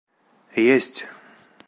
Есть!